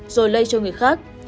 rồi lây cho người khác